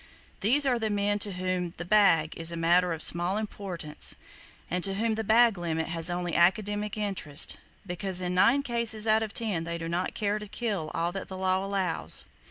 These are the men to whom "the bag" is a matter of small importance, and to whom "the bag limit" has only academic interest; because in nine cases out of ten they do not care to kill all that the law allows.